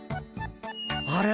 あれ？